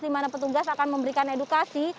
dimana petugas akan memberikan edukasi